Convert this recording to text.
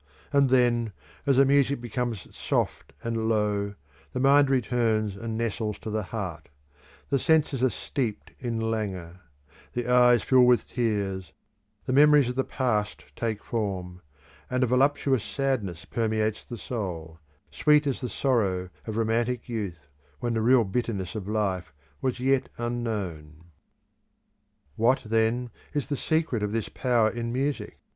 And then, as the music becomes soft and low, the mind returns and nestles to the heart; the senses are steeped in languor; the eyes fill with tears; the memories of the past take form; and a voluptuous sadness permeates the soul, sweet as the sorrow of romantic youth when the real bitterness of life was yet unknown. What, then, is the secret of this power in music?